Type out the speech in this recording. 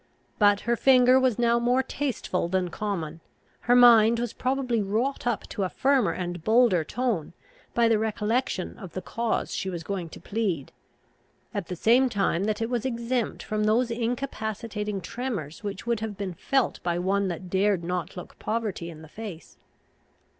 But her finger was now more tasteful than common. Her mind was probably wrought up to a firmer and bolder tone, by the recollection of the cause she was going to plead; at the same time that it was exempt from those incapacitating tremors which would have been felt by one that dared not look poverty in the face.